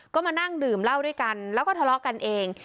ก็มานั่งดื่มเหล้าด้วยกันแล้วก็ทะเลาะกันเอง